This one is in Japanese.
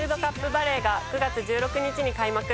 バレーが９月１６日に開幕。